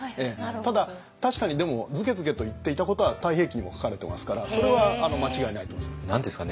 ただ確かにでもズケズケと言っていたことは「太平記」にも書かれてますからそれは間違いないと思います。